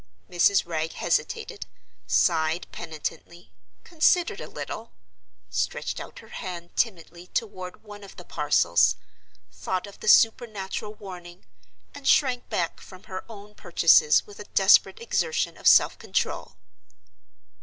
Mrs. Wragge hesitated, sighed penitently, considered a little, stretched out her hand timidly toward one of the parcels, thought of the supernatural warning, and shrank back from her own purchases with a desperate exertion of self control.